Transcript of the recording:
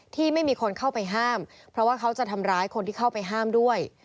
ที่ไม่มีคนเข้าไปห้ามเพราะว่าเขาจะทำร้ายคนที่เข้าไปห้ามด้วย